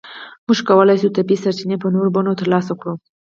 موږ کولای شو طبیعي سرچینې په نورو بڼو ترلاسه کړو.